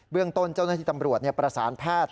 เรื่องต้นเจ้าหน้าที่ตำรวจประสานแพทย์